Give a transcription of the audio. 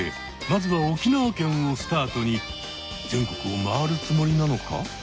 まずは沖縄県をスタートに全国を回るつもりなのか？